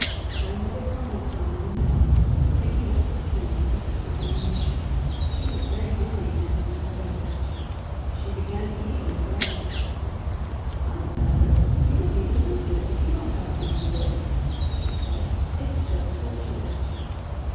Grandmother crumbled some in the milk and picking up the spoon tested the combination. She was very hungry, and it was good. She began eating with relish. "Alexander, you will be the loser if you don't have some of this," she said. "It's just delicious!"